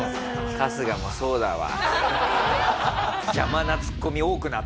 春日もそうだわ。